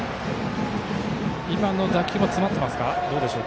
今の打球も詰まっていますか。